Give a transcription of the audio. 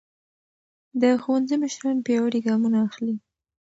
د ښوونځي مشران پیاوړي ګامونه اخلي.